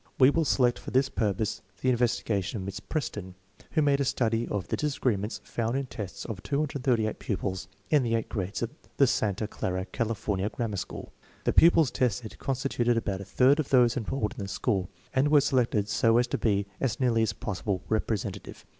We will select for this purpose the investi gation of Miss Preston, who made a study of the dis agreements found in tests of 238 pupils in the eight grades of the Santa Clara, California, grammar school. The pupils tested constituted about a third of those enrolled in the school, and were selected so as to be as nearly as possible representative.